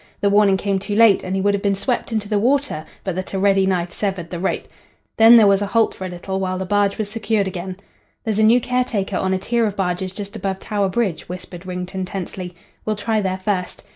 The warning came too late, and he would have been swept into the water but that a ready knife severed the rope. Then there was a halt for a little, while the barge was secured again. "There's a new caretaker on a tier of barges just above Tower Bridge," whispered Wrington tensely. "We'll try there first.